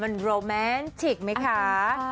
มันโรแมนฉิกไหมคะ